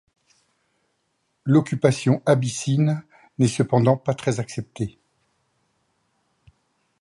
L'occupation abyssine n'est cependant pas très acceptée.